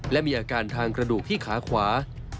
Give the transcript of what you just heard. และมีอาการทางกระดูกที่ขาขวา